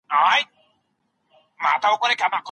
هغوی له هر شاګرد څخه په میاشت کې سل افغانۍ اخیستلې.